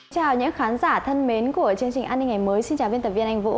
chào những khán giả thân mến của chương trình an ninh ngày mới xin chào biên tập viên anh vũ